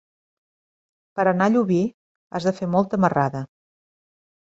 Per anar a Llubí has de fer molta marrada.